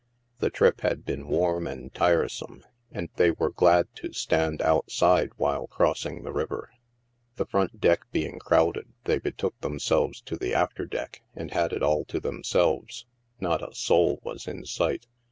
The trip had been warm and tiresome, and they were glad to stand outside while crossing the river. The front deck being crowded, they betook them selves to the after deck and had it all to themselves. Not a soul was in sight.